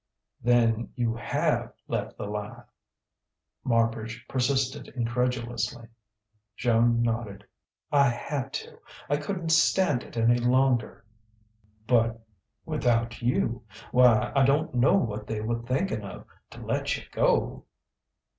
"Then you have left 'The Lie'?" Marbridge persisted incredulously. Joan nodded. "I had to. I couldn't stand it any longer." "But without you why, I don't know what they were thinking of, to let you go!"